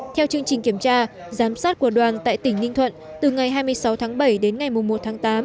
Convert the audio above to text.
theo chương trình kiểm tra giám sát của đoàn tại tỉnh ninh thuận từ ngày hai mươi sáu tháng bảy đến ngày một tháng tám